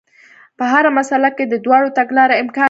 په هره مسئله کې د دواړو تګلارو امکان وي.